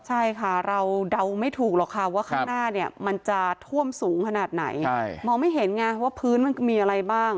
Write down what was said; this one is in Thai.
ใช่ค่ะเราเดาไม่ถูกหรอกค่ะว่าข้างหน้าเนี่ยมันจะท่วมสูงขนาดไหนมองไม่เห็นไงว่าพื้นมันมีอะไรบ้าง